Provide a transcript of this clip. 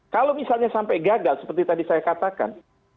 kalau misalnya sampai gagal seperti tadi saya katakan